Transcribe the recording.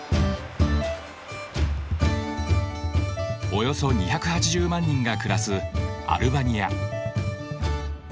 およそ２８０万人が暮らすアルバニア。